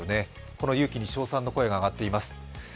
この勇気に称賛の声が上がっています。